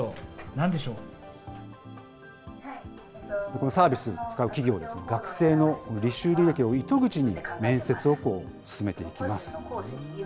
このサービス使う企業ですが、学生の履修履歴を糸口に面接を進めていきます。